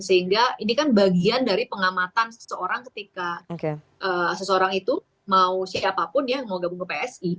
sehingga ini kan bagian dari pengamatan seseorang ketika seseorang itu mau siapapun ya mau gabung ke psi